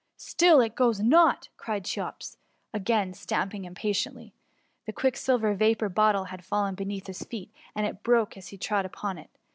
^^ Still it goes not,^ cried Cheops, again stamping impatiently. The quicksilver vapour bottle had fallen beneath his feet, and it broke as he trod upon it.